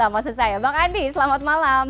dua ribu sembilan maksud saya bang andi selamat malam